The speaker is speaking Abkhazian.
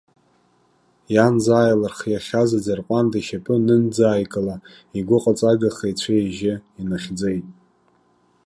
Иан заа илырхиахьаз аӡырҟәанда ишьапы анынӡааикыла, игәыҟаҵагаха ицәа-ижьы инахьӡеит.